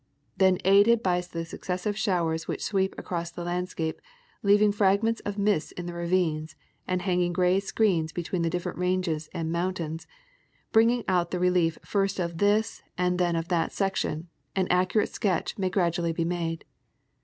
Then aided by the successive showers which sweep across the landscape, leaving fragments of mists in the ravines, and hanging grey screens between the different ranges and mountains, bringing out the relief first of this and then of that section, an accurate sketch may gradually be made.